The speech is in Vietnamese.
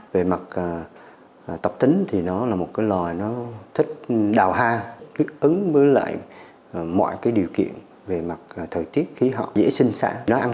về mặt tập tính thì nó là một loài thích đào ha ứng với mọi điều kiện về mặt thời tiết khí hậu dễ sinh sản